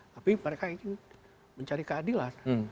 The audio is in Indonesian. tapi mereka ingin mencari keadilan